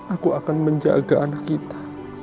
aku akan menjaga anak kita